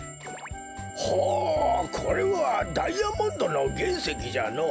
ほうこれはダイヤモンドのげんせきじゃな。